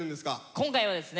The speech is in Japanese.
今回はですね